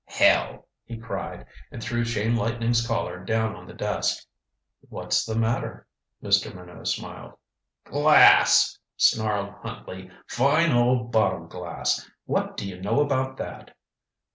"Hell!" he cried, and threw Chain Lightning's Collar down on the desk. "What's the matter?" Mr. Minot smiled. "Glass," snarled Huntley. "Fine old bottle glass. What do you know about that?"